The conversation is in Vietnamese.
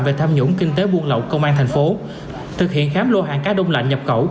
về tham nhũng kinh tế buôn lậu công an thành phố thực hiện khám lô hàng cá đông lạnh nhập khẩu